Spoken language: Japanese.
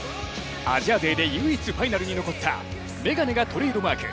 アジア勢で唯一ファイナルに残った眼鏡がトレードマーク